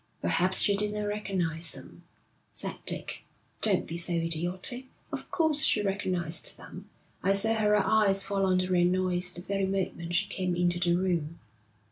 'Perhaps she didn't recognise them,' said Dick. 'Don't be so idiotic. Of course she recognised them. I saw her eyes fall on the Reynolds the very moment she came into the room.'